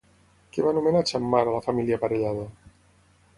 Què va anomenar Xammar a la família Parellada?